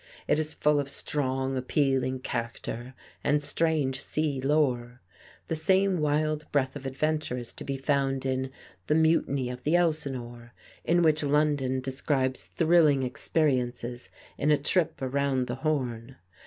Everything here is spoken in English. It is full of strong appealing character and strange sea lore. The same wild breath of adventure is to be found in "The Mutiny of the Elsinore," in which London describes thrilling experiences in a trip around the Horn.